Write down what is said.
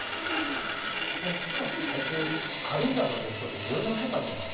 あいつ軽井沢の別荘で療養してたんだよ。